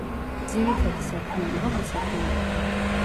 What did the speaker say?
ძირითადი საქმიანობა მესაქონლეობა.